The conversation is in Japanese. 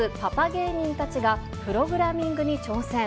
芸人たちが、プログラミングに挑戦。